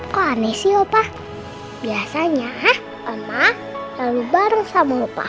koneksi opah biasanya emak lalu baru sama opah